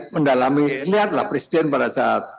mendalami lihatlah presiden pada saat